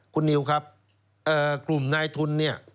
คุณนิวครับกลุ่มนายทุนเนี่ย